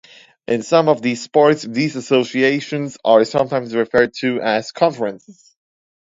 In some of these sports, these associations are sometimes referred to as "conferences".